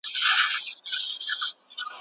که فرض کړو د «افغانستان» نوم پر نورو قومونو